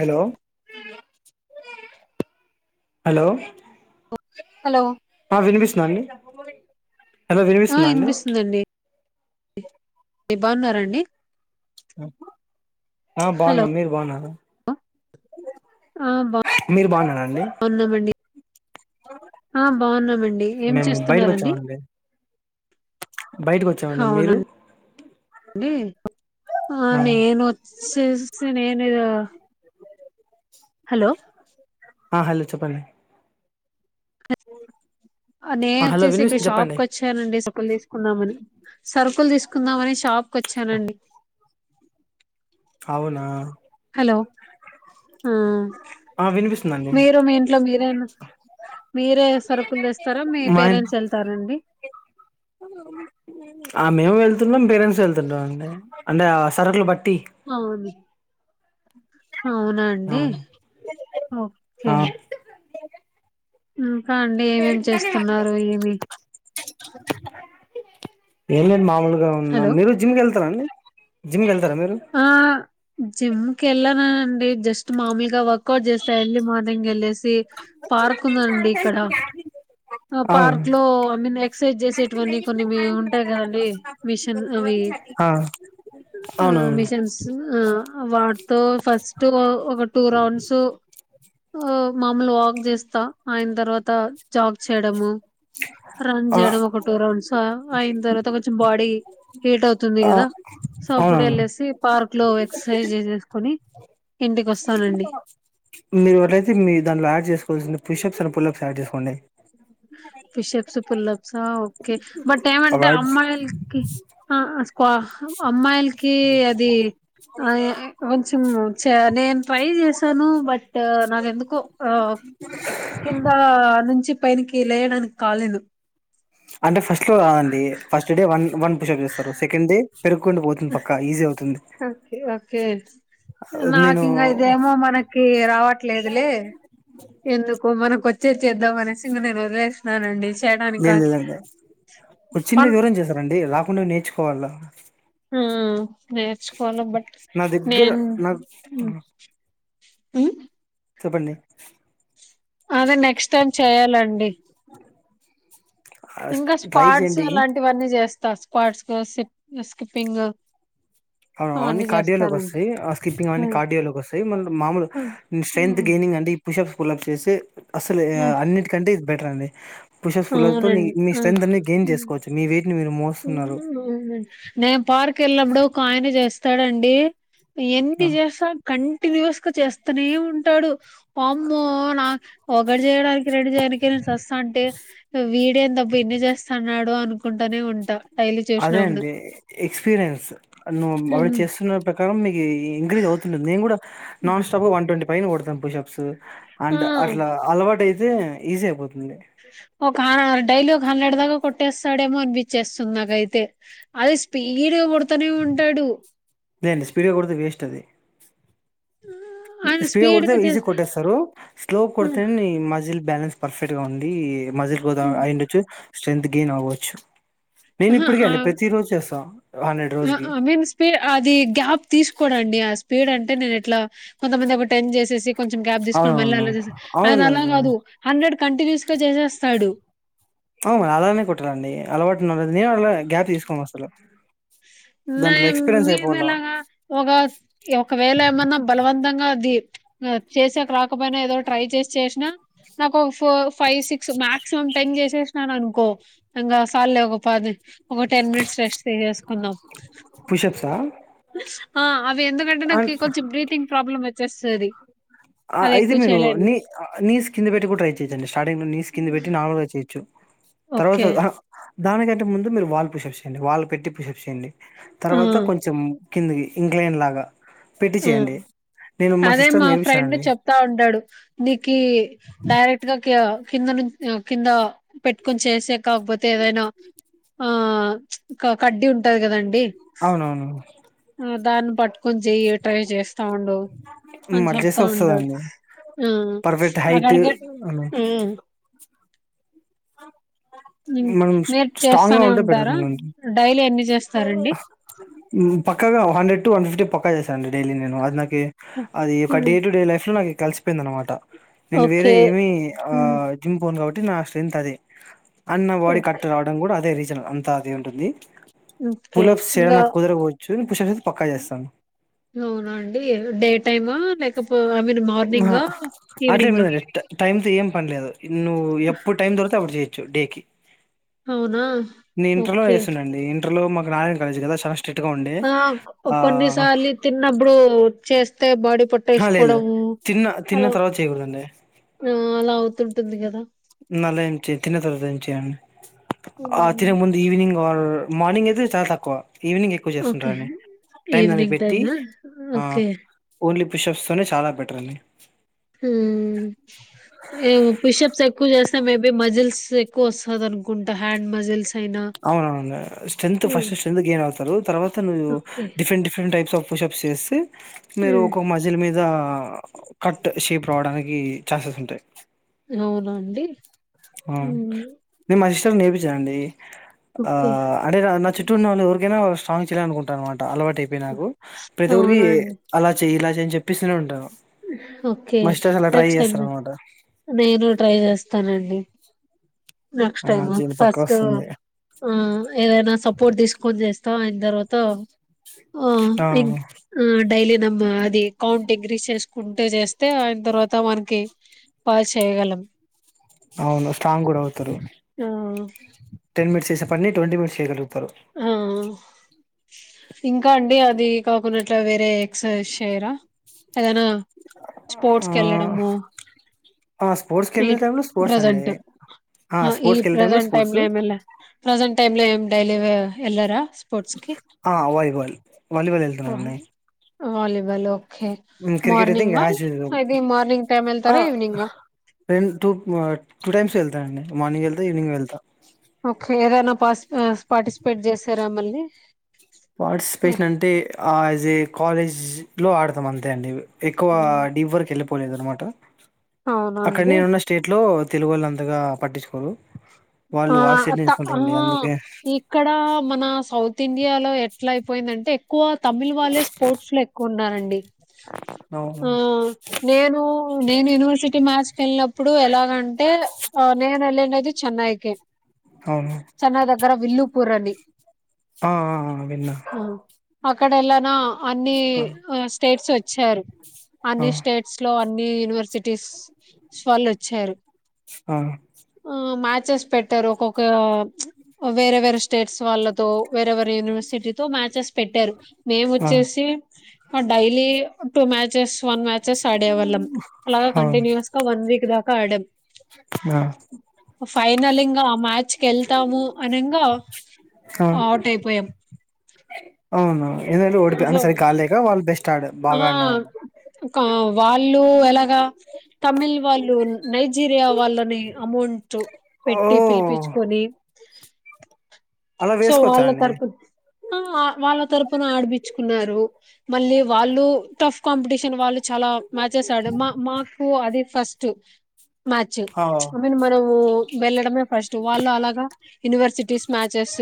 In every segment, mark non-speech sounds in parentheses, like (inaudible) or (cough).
Hello hello hello ఆ వినిపిస్తుదాండి మ హలో వినిపిస్తుందా అండి ఏ బాగున్నారండి ఆ హలో బాగున్నాం మీరు బాగున్నారా ఆ బా మీరు బాగున్నారండి బాగున్నామండి ఆ బాగున్నామండి ఏం మేము బయటకు చేస్తున్నరండి వచ్చామండి బయటకు వచ్చామండి మీరు అవునండి నే నేను వచ్చేసి నే అద హలో ఆ హలో చెప్పండి ఉ (unintelligible) ఆ నేను వచ్చేసి ఇక్కడ షాప్ కొచ్చానండి సరుకులు తీసుకుందామని సరుకు తీసుకుందాం అనేసి స్షాప్కి వచ్చానండి అవునా హలో ఆ వినిపిస్తుందండి మీరు మీ ఇంట్లో మీరే మీరే సరుకులు తెస్తారా మీ మా ఇం పేరెంట్స్ వెళ్తారాండి ఆ మేము వెళ్తున్నాం పేరెంట్స్ వెళ్తున్నాం అండి అంటే సరకులు బట్టి అవును ఆ అవునాండి ఓకే ఆ ఉ (unintelligible) అండి ఏమేమి చేస్తున్నారు ఏమి ఏమి లేదు మా మామూలుగా హలో మీరు జిమ్ కి వెళ్తారండి జిమ్ గల్ సారా మీరు జిమ్కి వెళ్ళన అండి జస్ట్ మామూలుగా వర్క్అౌట్ చేస్తే ఎర్లీ మార్నింగ్ వెళ్ళ పార్క్ ఉందండి ఇక్కడ ఆ అవును పార్క్ లో ఐ మీన్ ఎక్సర్సైజ్ చేసేటువన్న కొన్ని ఉంటాయి కదండి మిషన్ అవి ఆ ఆ అవునవును మిషన్స్ వాటితో ఫస్ట్ ఒక టూ రౌండ్స్ మామూలు వాక్ చేస్తా ఆయన తర్వాత జాగ్ చేయడము రన్ ఆ చేయడం ఒక టూ రౌండ్స్ అయిన తర్వాత కొంచెం బాడీ హట్ అవుతుంది ఆ కదా సబ్ కుప్పుడే అవునవును వెళ్ లేసి పార్క్ ఇట్లో ఎక్సర్సైజ్ చేసుకుొని ఇంటికి వస్తానండి మీరు ఎవరైతే మీ దానిలో యాడ్ చేసుకోవాల్సింది పిషప్స్ అని పులప్స్ డ్ చేసుకోండి పిషప్స్ పుల్లభస ఓకే బట్ ఏమంటే అవార్డ్స్ అమ్మాయిలకి ఆ స్ అమ్మాయిలకి అది ఆ కొంచెం నేను ట్రై చేశాను బట్ నాకు ఎందుకో ఆ కింద నుంచి పైన అంటే ఫస్ట్ లో రాదండి ఫస్ట్ డే వన్ వన్ పష చేస్తారు సెకండ్ ే పెరుగుకుండి పోతుంది పక్క ఈజీ అవుతుంది ఓకే ఓకే నాకు నేను ఇంకా ఇదేమో మనకి రావట్లేదులే ఎందుకు మనకు వచ్చే చేద్దామనేసి ఇంకా నేను వదిలేస్తున్నానండి లేదు లేదండి ఒక చిన్న పన్ వివరం చేశారంండి రాకుండా నేర్చుకోవాల హ నేర్చుకోవను బట్ నా దగ్గర నేను నాకు అ చెప్పండి అదే నెక్స్ట్ టైమ్ చెయాలండి ఇంకా ట్రై స్క్వాడ్స్ చేయండి అలాంటివన్నీ చేస్తా స్క్డ్స్ స్ స్కిపింగ్ అీ కార్డియోల్కి వస్తాయి స్కిప్పంగ్ అీ ఉమ్. కార్డియల్కి వస్తాయి మన మామూలు ఉమ్, స్ట్రెంగ్త్ ఉమ్, గెయినింగ్ అండి పుషప్స్ కులప్ చేసి అసలు ఉమ్, అన్నింటికంటే ఇది బెటర్ అం పుషస్ ఫులల్తో అవునండి నీ ఆ. స్ట్రెంత్ అన్ని గెయిన్ చేసుకోవచ్చు మీ వెయిట్ నేను పార్కు ఎల్లినప్పుడు ఒకఆయన చేస్తాడండి. ఆ, ఎన్ని జేస్తాడు కం టిన్యూయస్ గా చేస్తనే ఉంటాడు. అమ్మో నా ఒకటి చేయడానికి రెండు చేయడానినికి నేను సస్తా అంటే వీ డు ఎందబ్బా ఇన్ని చేస్తన్నాడు అనుకుంటనే ఉం ట అదే అండి ఎక్స్పీరియన్స్ నువ్వు అవి ఉమ్. చేస్తున్న ప్ర కారం ఇఇంక్రీజ్ అవుతుంటుంది. నేను కూడా నాన్ స్టాప్గా వన్ ట్వంటీ పైన కొడాతాం పుషప్స్. అండ్ ఆ అట్లా అలవాటు అయితే తే ఈజీ అయిపోతు ంది. ఒక డైలీ ఒక హండ్రెడ్ దాకా కొట్టేస్తాడేమో అనిపించేస్తుంది నాకైతే అది స్పీడ్గా కొడు లేదండి స్పీడ్ గా కొడతే వేస్ట్ అది. ఆయన స్పీడ్ కొడతే స్పీడ్గా ఈజీగా చేస్తా కొట్టేస్తారు. స్లో కొడతేనే మజిల్ బ్యాలెన్స్ పర్ఫెక్ట్ గా ఉండి మజీల్ గ్రోత్ ఆ అయ్యిండచ్చు. స్ట్రెంత్ గెయిన్ అవ్వచ్చు. నేను అహ ఇప్పటికే అండి ప్రతిరోజు చేస్తా. ఆ రోజుకి. ఆ మీన్స్ స్పీడ్ అది గ్యాప్ తీసుకోడండి అ స్పీడ్ అంటే నేను ఎట్లా కొంతమంది ఒక టెన్ చేసేసి కొంచెం గ్యాప్ తీసుకొని మళ్ళీ అవునవును. అలా చేసి ఆయన అలా అవునండి. కాదు హండ్రెడ్ కంటిన్యూస్ గా చేసేస్తాడు. అవును అలానే కొట్టాలండి అలవాటు న దాంట్లో ఎక్స్పీరియన్స్ మేము అయిపోవాల. ఎలాగా ఒక ఒకవేళ ఏమన్నా బలవంతంగా ది చేసాక రాకపోయినా ఏదో ట్రై చేసి చేశిన నాకు four five, six maximum ten చేసే సిన అనుకో ఇంగ సాలులే ఓక పది ఒక టెన్ మినిట్స్ రెస్ట్ తీసేసు కుందాం పుషప్సా? ఆ అవి ఎందుకంటే నాకు అన్ కొంచెం బ్రీతింగ్ ప్రాబ్లమ్ వచ్చే సరి ఆ అయితే మీరు నీ నీస్ కింద పెట్టి కూడా ట్రై చేయండి స్టార్టింగ్ లో నీస్ కింద పెట్టి నార్మల్ గా చేయొచ్చు తర్వాత ఓకే దానికంటే ముందు మీరు వాళ్ు పూషెప్ చేయండిళ్ు పెట్టి పిషెప్ చేయండి ఆ తర్వాత కొంచెం కిందికి ఇంగ్లండ్ లాగా పెట్టి చేయండి నేను మా సిస్టర్ నేర్పి చెతా ఉడు న డైెట్ కింద ను కింద పెట్టుకొని చేసే కాకపోతే ఏదైనా ఆ కడ్డి ఉంటది కదండి అవునవును అ దాని పట్ కొంచెం ట్రై చేస్తా ఉండు మ్ అని అట్ల చేస్తే చపుతా ఉండు వస్తదండి ఆ పర్ఫెక్ట్ హైట్ అక్కడికి ఉమ్. మనం మీరు స్ట్రాంగ్ గా చేస్తానే ఉంటే పెడతు ఉంటారా మన డైలీ ఎన్ని చేస్తారండి పక్కగా హండ్రెడ్ వన్ ఫిఫటీ పక్కా చేాడి డైలీ నేను నాకు అది ఒక day um, to day life లో నాక కలిసిపోయింద అనమాట నేను వేరే ఓకే ఏమి ఆ ఉమ్, జిమ్ పోను కాబట్టి టి నా స్ట్రెంగ్త్ అదే అన్న బాడీ ఓకే కట్ రావడం కూడా అదే రీజన్ అంతా అది ఉంటుంది ఓకే. పులస్ ఇంకా కుదరకవచ్చు పుల అ పక్కా చేస్తాను అవునండి డే టైమా లేకపో ఐ మీన్ మార్నింగా అట్లే ఈవినింగ్ లేదండి టైమ్ త ఏం పనిలేదు నువ్వు ఎప్పుడు టైం దొరికితే అప్పుడు చేయు డేకి అవునా ఓకే లో మాకుారయ కాలజ్ కా ఆ కొన్నిసార్లు తిన్నప్పుడు చేస్త అే బాడి పట్ట ఆ లేదు వేసుకోవడ లేదు తిన్న తిన్న అలా తర్వాత చేయకూడదండి అలా ంటుంది కదా నల ఎంచి తిన తరవాత ఎంచ అండి ఆ హ్మ్. తిినగ ముందు ఈవనింగ్ మార్నింగ్ ఎయితే చాలా తక్కువ ఈవినింగ్ ఎక్కువ ఓకే. చేస్తుంటారడి టైమ్ దానికి ఈవినింగ్ పెట్టి టైమా? ఆ ఓకే. ఓన్లీ పిషప్స్ తోనే చాలా బెటర్ అంది ఏ పిషప్ చెకుూ చేస్త మేబీ మజిల్స్ ఎక్కువ వస్తుంది అనుకుంటా హ్యాండ్ మజిల్స్ అయినా అవునవును strength hmm. First strength gain అవుతారు తర్వాతవ్వు okay. Different different types of pushup చేస్త మీరు హ్మ్. ఒకొక్క మజ్యల మీద ఆ కట్ షేప్ రావడానికి ఛాన్సెస్ ఉంటాయి అవునండి ని మా ఏవి చేయంండి ఆ ఓకే. అంటే నా చ చిట్టూ ఉవ ఇరిగేనా సావించలే అనుకుంటను మాట అలవాయిపోయి నాకు ప్రతి ఒరికి అవునా అండి? అలా చె నేను చెప్పస్తూనే ఉంటాను ఓకే మా సిస్టర్స్ అలా ట్రై నెక్స్ట్ టైమ్ చేస్తారనమాట నేను ట్రై చేస్తా తరలి నెక్స్ట్ ఆ టైమ్ దీని పక్క ఫస్ట్ వస్తుంది ఆ ఏదైనా సపోర్ట్ తీసుకొని చేస్త ఇందరుతో ఆ డైలీ నమ్ అది కౌంటంగ్ రీసర్జ్ కుంటే చేస్తే ఆయన తర్వాత మనకి పాస్ చేయగలం అవును స్టంగ్ కూడా అవుతారు ఆ టెన్ మిట్స్ చేస అన్నీట్ంటీ మనిట్ చేయలు ఆ ఇంకా అండి అది కాకుండాట్లా వేరే ఎక్సైజ చేయరా ఏదనా స్పోర్ట్స్ ఆహ్, వెళ్ళడము ఆ స్పోర్ట్స్కి వెళ్ళే టైంలో స్పోర్ట్స్ అండి ప్రజెంట్ ఆ ఈ స్పోర్ట్స్కి వెళ్ళే టైంలో ప్రజెంట్ టై స్పోర్ట్స్ లో ఏ ప్రజెంట్ టై లో ఏడైలీ ఎలరా ఆ వాలీబాల్ వాలీబాల్ వెళ్తున్నాండి వాలీబాల్ ఓ క్రికెట్ అయితే ఇంకా హ్యాచ్ ఇది మార్నింగ్ టైమ్ ఆ వెళ్తారా ఈవినింగా రెం టూ టూ టైమ్స్ వెళ్తానండి మార్నింగ్ వెళ్తా ఈవినింగ్ వెళ్తా ఓకే గమల్ పార్టిసిపేషన్ అంటే యాజ్ ఏ కాలేజ్ ఆడతాం అంతే అండివి ఎక్కువ ఉహు. డీప్ వరకు వెళ్ళిపోలేదనమాట అక్కడ అవునండి నేనున్న స్టేట్ లో తెలుగు వాళ్ళు అంతగా పట్టిచుకోరు ఆ ఇక్కడ మన సౌత్ ఇండియాలో ఎట్లా అయిపోయిందంటే ఎక్కువ తమిళ్ వాళ్ళే స్పోర్ట్స్ లో ఎక్కువ ఉన్నారండి అవును అ ఆ నేను నేను యూనివర్సిటీ మ్యాచ్కి వెళ్ళినప్పుడు ఎలాగంటే ఆ నేను వెళనది చతే కె అవును అది ఆ విన్న అక్కడ ఎలానా అన్ని స్టేట్స్ వచ్చారు ఆ అన్ని స్టేట్స్ లో అన్ని యూనివర్సిటీస్ వాళ్ళు వచ్చారు ఆ ఆ మాది చస్ పెట్టారు ఒక్కొక్క వేరే వేరే స్టేట్స్ వాళ్ళతో వేరే వేరే వనివర్సిటీతో మ్యాచెస్ పెట్టారు మేము ఆ వచ్చేసి daily two match chess one matches ఆడేవాళ్ళం అలా అవును కంటిన్యూస్ గా వన్ వీక్ దా కాడం ఆ ఫైవ్ నలింగ మ్యాచ్ క వెళ్తాము అనగా అవుట్ అయిపోయాం అవునవును ఏందు ఓడియి సో స కగాేగా వాళ్ళ బెస్ట్ ఆడ బాగా ఆ ఆడినారండి కావ్ వన్ ళు ఎలాగా తమిళ్ వాళ్ళు నైజీరియా వాళ్ళని అమౌంట్ ఓ పెట్టి పిలిపించుకొని టిక్ అలా సో వాళ్ళ వేసుకోవచ్చా అండి తర్పతి వాళ్ళ తరుపున ఆడిపిచ్చుకున్నారు మళ్ళీ వాళ్ళు టఫ్ కాంపిటీషన్ వాళ్ళు చాలా మ్యాచెస్ ఆడమ్ మా మాకు అది ఫస్ట్ మ్యాచ్ ఆ ఐ మీన్ మనము వెళ్ళడమే ఫస్ట్ వాళ్ళు అలాగా యూనివర్సిటీస్ మ్యాచెస్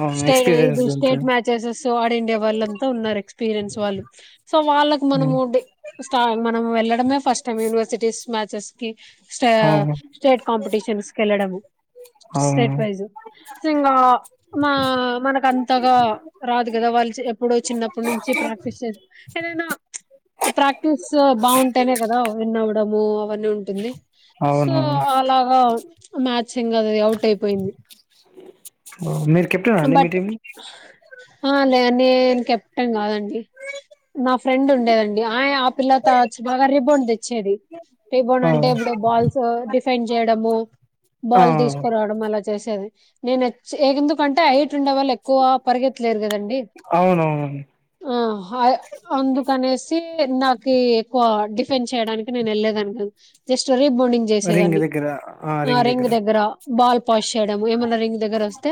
అవును ఎక్స్పీరియన్స్ ఇది స్టేట్ ఉంటది మ్యాచెస్సు ఆడిండే వాళ్ళంత ఉన్నారు ఎక్స్పీరియన్స్ వాళ్ళు సో వాళ్ళ ఉమ్ మన మన వెళ్ళడమే ఫస్ట్ టైమ్ యూనివర్సిటీ చెస్కి స్ అవును స్టేట్ కాంపిటీషన్స్ కెళ్లడము అవును స్టేట్ వైస్ సో ఇంగా మా మన మనకంతగా రాదు కదా వాళ్ళు ఎప్పుడో చిన్న అప్పట్నుంచీ ప్రాక్టీస్ చే ఏదైనా ప్రాక్టీస్ బాగుంటేనే కదా విన్ అవడము అవన్నీ ఉంటుంది సో అవునవును అలాగా మ్యాచ్ ఇంకా అది అవుట్ అయిపోయింది హ మీరు కెప్టెన్ ఆ అండి మీ బట్ టీమ్ నీ ఆ లేే నేను కెప్టెన్ కాదండి నా ఫ్రెండ్ ఉండేదండి ఆ ఆ పిల్లతో బాగా రిబౌండ్ తెచ్చేది రిబౌండ్ ఆ అంటే ఇప్పుడు బాల్స్ డిఫెండ్ చేయడము ఆ బాల్ తీసుకురాడం మళ్ళ చేసేది నేను ఏగిందుకుంటే హైట్ ఉండే వాళ్ళు ఎక్కువగా పరిగెత్తలేరు కదండీ అవునవును అందుకనే నాకి ఎక్కువ డిఫెన్స్ చేయడానికి నేను వెళ్ళలేదండి జస్ట్ బోడింగ్ చేసేదాన్ని ఆ రింగ్ దగ్గర బాల్ పాస్ చేయడం ఏమన్నా రింగ్ దగ్గర వస్తా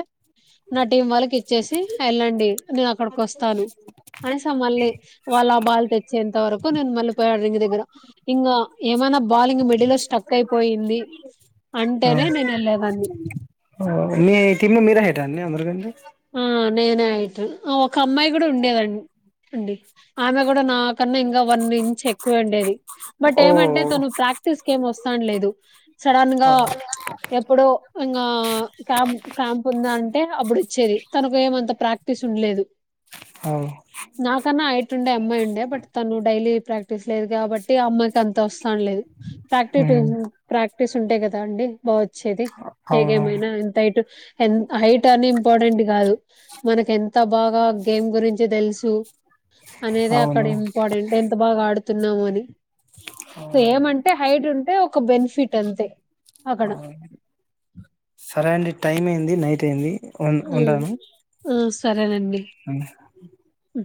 నా టీం వాళ్ళకి ఇచ్చేసి ఎళ్ళండి నేను అక్కడ వస్తాను అ మళ్ళీ వాళ్ళ ఆ బాల్ తెచ్చేంత వరకు నేను మళ్ళీ పోయి ఆ రింగు దగ్గర ఇంకా ఏమైనా బాల్ ఇంగ మిడిల్ లో స్టక్ క్కయిపోయింది ఆ అంటేనే నేనేల్లెదాన్ని దాన్నే అమరగండి ఆ నేనే హైట్ ఒక అమ్మాయి కూడా ఉండేదండి అండి ఆమె కూడా నా కన్నా ఇంకా వన్ ఇంచ్ ఎక్కువ ఉండేది బట్ ఓ ఏమంటే తను ప్రాక్టీస్ కి ఏం వస్తానలేదు సడన్ గా ఓ ఎప్పుడో ఇంకా క్యాంప్ క్యాంప్ ఉందం అంటే అప్పుడు తెలీద్ తనకు ఏమంత ప్రాక్టీస్ ఉండలేదు నాకన్నా అయిట్ ఉండే అమ్మాయి ఉండే బట్ తను డైలీ ప్రాక్టిస్ లేదు కాబట్టి అమ్మాయికి అంత వస్తానలేదు ప్రాక్టీ ఉమ్ ప్రాక్టీస్ ఉంటే కదా అండి బా వచ్చేది అవును హ్మ్. ఏగేమైనా ఎంత ఇటు ఎంత హైట్ అని ఇంపార్టెంట్ కాదు మనకి ఎంత బాగా గేమ్ గురించి తెలుసు అనేదే అవునవును. అక్కడ అవును ఇంపార్టెంట్ ఎంత బాగా ఆడు డుతున్నాము అని అవునండి ఏమంటే హైట్ ఉంటే ఒక ఒక బెన్ ఫిట్ అంతే అక్కడ సరే అండి టైం ఏంది నైట్ ఏంది ఉన్ ఆ ఉంటాను ఆ సరేనండి ఉమ్ మ్..